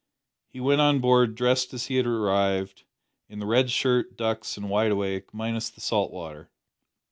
He went on board dressed as he had arrived, in the red shirt, ducks, and wide awake minus the salt water.